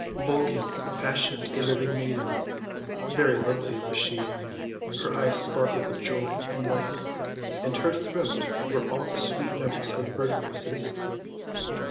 Vulcan fashioned a living maiden. Very lovely was she. Her eyes sparkled with joy and life. In her throat were all the sweet notes of bird voices.